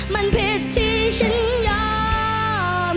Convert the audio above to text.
มันผิดที่ฉันยอมให้เธอเก็บไว้